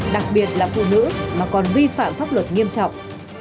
đặc biệt là phụ nữ mà còn vi phạm pháp luật nghiêm trọng